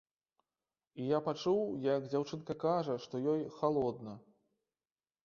І я пачуў, як дзяўчынка кажа, што ёй халодна.